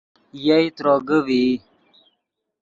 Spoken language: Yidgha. یئے تروگے ڤئی